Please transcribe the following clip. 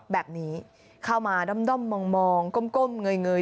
แบบนี้เข้ามาด้อมมองก้มเงย